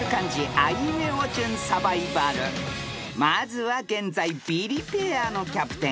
［まずは現在ビリペアのキャプテン浮所さんから］